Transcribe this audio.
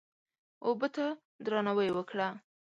اوبه ته درناوی وکړه.